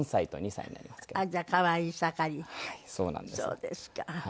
そうですか。